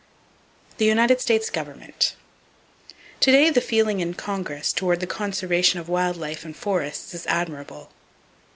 The United States Government. —To day the feeling in Congress, toward the conservation of wild life and forests is admirable.